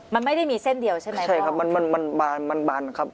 มันไม่ได้มีเส้นเดียวใช่ไหมพ่อใช่ครับมันบานครับ